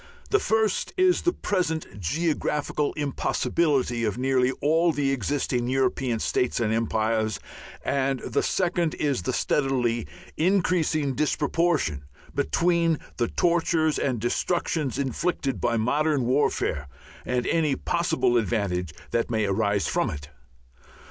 The first is the present geographical impossibility of nearly all the existing European states and empires; and the second is the steadily increasing disproportion between the tortures and destructions inflicted by modern warfare and any possible advantages that may arise from it.